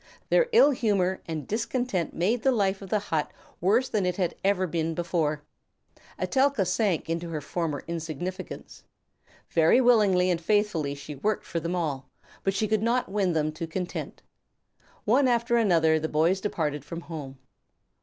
Their ill humor and discontent made the life of the hut worse than ever it had been before. Etelka sank into her former insignificance. Very willingly and faithfully she worked for them all, but she could not win them to content. One after another the boys departed from home.